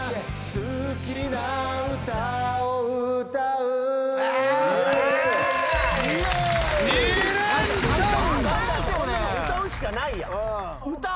「うたう」しかないやん。